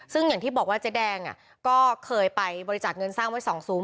ซึ่งอย่างที่บอกว่าเจ๊แดงก็เคยไปบริจาคเงินสร้างไว้๒ซุ้ม